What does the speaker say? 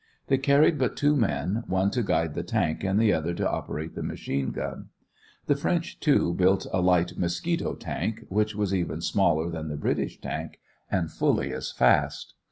They carried but two men, one to guide the tank and the other to operate the machine gun. The French, too, built a light "mosquito" tank, which was even smaller than the British tank, and fully as fast.